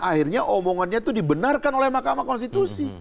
akhirnya omongannya itu dibenarkan oleh mahkamah konstitusi